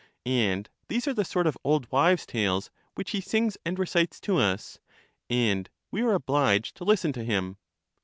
And these are the sort of old wives' tales which he sings and recites to us, and we are obliged to listen to him.